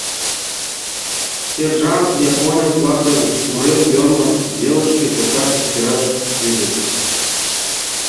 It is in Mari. Сержант японец-влакын пурен йоммо велышке чотак эскераш шӱдыш.